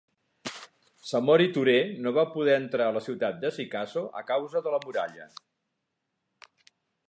Samori Turé no va poder entrar a la ciutat de Sikasso a causa de la muralla.